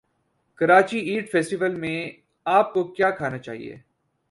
Karachi eat festival میں اپ کو کیا کھانا چاہیے